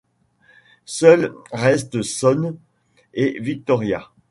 Seuls restent Sonne et Victoria.